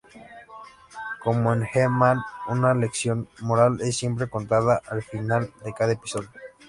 Como en He-Man, una lección moral es siempre contada al final de cada episodio.